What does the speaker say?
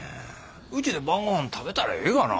うちで晩ごはん食べたらええがな。